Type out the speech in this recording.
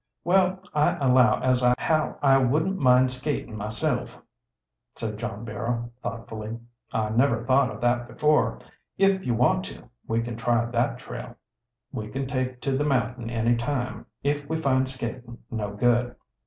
"Well, I allow as how I wouldn't mind skatin' myself," said John Barrow thoughtfully. "I never thought of that before. If you want to, we can try that trail. We can take to the mountain any time, if we find skating no good."